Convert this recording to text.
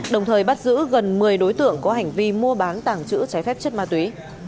đồng thời bắt giữ gần một mươi đối tượng có hành vi mua bán tàng trữ trái phép chất ma túy